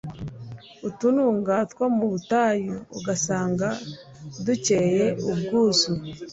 utununga two mu butayo ugasanga duteye ubwuzu